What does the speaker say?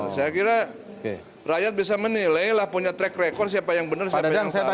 saya kira rakyat bisa menilai lah punya track record siapa yang benar siapa yang salah